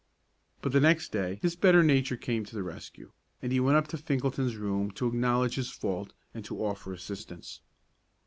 But the next day his better nature came to the rescue, and he went up to Finkelton's room to acknowledge his fault, and to offer assistance.